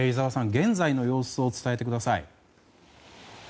現在の様子を伝えてください。